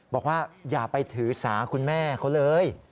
บอกว่าอย่าไปถือสาคุณแม่เขาเลย